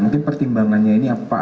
mungkin pertimbangannya ini pak